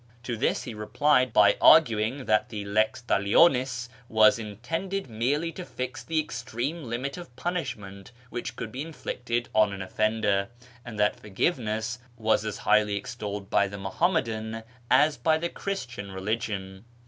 To this he replied by arguing that the Ux talionis was intended merely to fix the extreme limit of punishment which could be inflicted on an offender, and that forgiveness was as highly extolled by the Muhammadan as by the Christian religion.